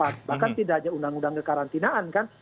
karena tidak ada undang undang kekarantinaan kan